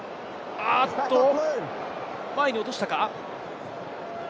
前に落としたか。